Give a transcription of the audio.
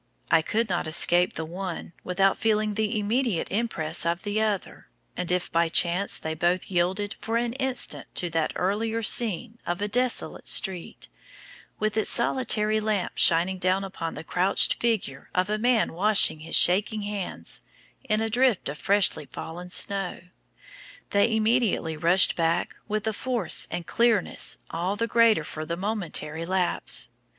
I could not escape the one without feeling the immediate impress of the other, and if by chance they both yielded for an instant to that earlier scene of a desolate street, with its solitary lamp shining down on the crouched figure of a man washing his shaking hands in a drift of freshly fallen snow, they immediately rushed back with a force and clearness all the greater for the momentary lapse.